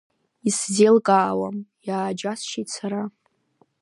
Исзеилкаауам, иааџьасшьеит сара.